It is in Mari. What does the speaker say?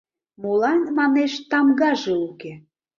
— Молан, манеш, тамгаже уке?